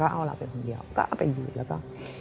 เอาเราเป็นคนเดียวอยู่แล้วก็